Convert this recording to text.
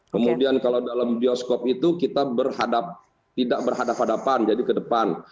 kemudian kalau dalam bioskop itu kita tidak berhadapan hadapan jadi ke depan